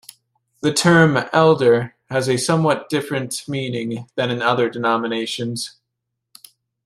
The term "elder" has a somewhat different meaning than in other denominations.